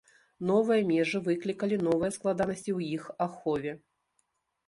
Новыя межы выклікалі новыя складанасці ў іх ахове.